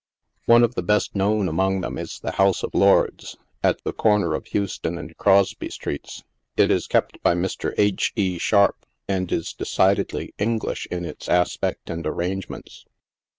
One of the best known among them 13 the House of Lords, at the corner of Houston and Crosby streets. It is kept by Mr. H. E. Sharp, and is decidedly English in its aspect and arrangements.